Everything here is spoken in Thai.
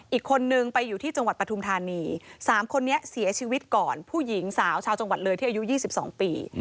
อีกคนนึงไปอยู่ที่จังหวัดปฐุมธานี๓คนนี้เสียชีวิตก่อนผู้หญิงสาวชาวจังหวัดเลยที่อายุ๒๒ปี